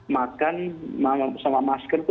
makan sama masker itu